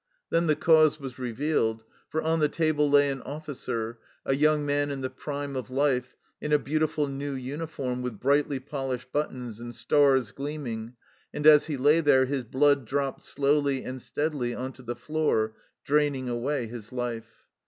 Then the cause was revealed, for on the table lay an officer, a young man in the prime of life, in a beautiful new uniform with brightly polished buttons and stars gleaming, and as he lay there his blood dropped slowly and steadily on to the floor, draining away his life.